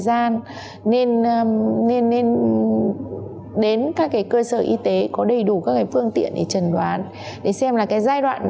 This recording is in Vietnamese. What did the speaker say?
gian nên nên đến các cơ sở y tế có đầy đủ các phương tiện để trần đoán để xem là cái giai đoạn